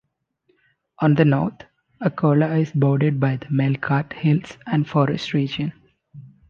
On the north, Akola is bordered by the Melghat Hills and forest region.